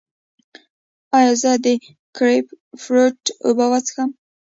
ایا زه د ګریپ فروټ اوبه وڅښم؟